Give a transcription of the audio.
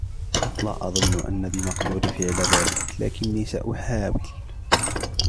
لا أظنّ أنّ بمقدوري فعل ذلك، لكنّي سأحاول.